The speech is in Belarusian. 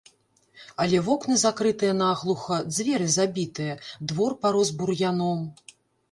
Але вокны закрытыя наглуха, дзверы забітыя, двор парос бур'яном.